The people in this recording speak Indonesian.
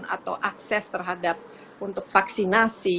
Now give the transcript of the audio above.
atau akses terhadap untuk vaksinasi